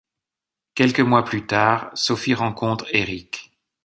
Quelques mois plus tard, Sophie rencontre Erich.